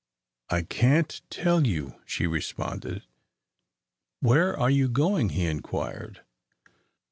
"I can't tell you," she responded. "Where are you going?" he inquired.